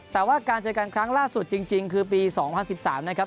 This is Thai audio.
แต่ว่าการเจอกันครั้งล่าสุดจริงคือปี๒๐๑๓นะครับ